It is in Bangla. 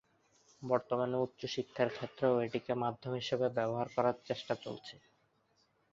বর্তমানে উচ্চশিক্ষার ক্ষেত্রেও এটিকে মাধ্যম হিসেবে ব্যবহার করার চেষ্টা চলছে।